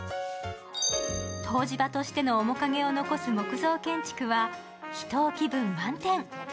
湯治場としての面影を残す木造建築は秘湯気分満点。